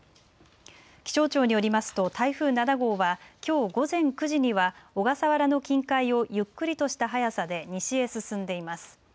気象庁によりますと台風７号はきょう午前９時には小笠原の近海をゆっくりとした速さで西へ進んでいます。